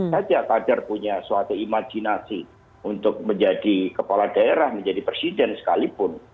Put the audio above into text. saja kader punya suatu imajinasi untuk menjadi kepala daerah menjadi presiden sekalipun